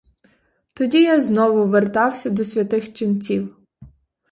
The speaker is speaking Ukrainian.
Тоді я знову вертався до святих ченців.